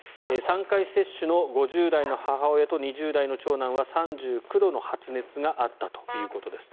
３回接種の５０代の母親と２０代の長男は３９度の発熱があったということです。